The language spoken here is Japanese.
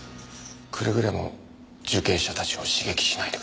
くれぐれも受刑者たちを刺激しないでください。